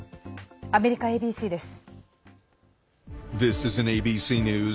アメリカＡＢＣです。